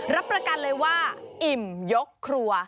รับประกันเลยว่าอิ่มยกครัว